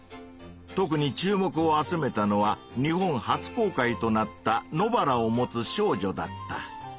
特に注目を集めたのは日本初公開となった「野バラをもつ少女」だった。